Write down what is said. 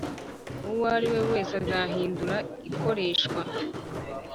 Uwo ari we wese uzahindura ikoreshwa